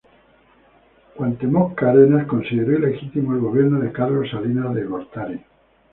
Cuauhtemoc Cárdenas consideró ilegítimo el gobierno de Carlos Salinas de Gortari.